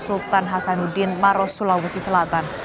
sultan hasanuddin maros sulawesi selatan